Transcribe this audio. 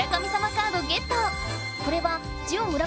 カードゲット！